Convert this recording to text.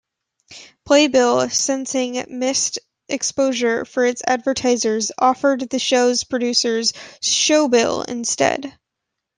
"Playbill," sensing missed exposure for its advertisers, offered the show's producers "Showbill" instead.